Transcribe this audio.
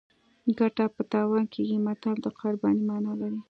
ګټه په تاوان کېږي متل د قربانۍ مانا لري